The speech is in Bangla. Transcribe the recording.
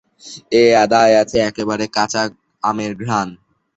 এ আদায় আছে একেবারে কাঁচা আমের ঘ্রাণ।